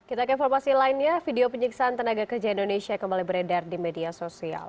kita ke informasi lainnya video penyiksaan tenaga kerja indonesia kembali beredar di media sosial